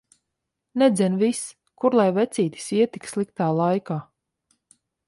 Nedzen vis! Kur lai vecītis iet tik sliktā laika.